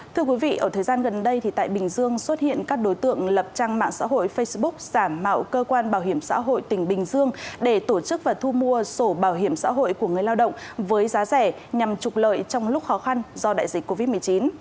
thưa quý vị ở thời gian gần đây tại bình dương xuất hiện các đối tượng lập trang mạng xã hội facebook giảm mạo cơ quan bảo hiểm xã hội tỉnh bình dương để tổ chức và thu mua sổ bảo hiểm xã hội của người lao động với giá rẻ nhằm trục lợi trong lúc khó khăn do đại dịch covid một mươi chín